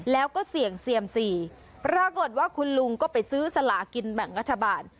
แล้วก็เสี่ยงเซียมซีปรากฏว่าคุณลุงก็ไปซื้อสลากินแบ่งรัฐบาล